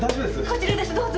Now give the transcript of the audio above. こちらですどうぞ。